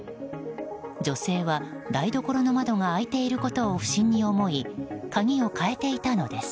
女性は台所の窓が開いていることを不審に思い鍵を変えていたのです。